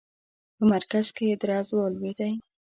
په مرکز کې درز ولوېدی.